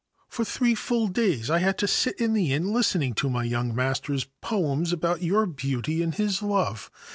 For three full days have I had to sit in the inn listening to my young master's poems about your beauty and his love.